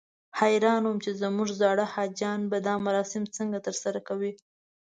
حیران وم چې زموږ زاړه حاجیان به دا مراسم څنګه ترسره کوي.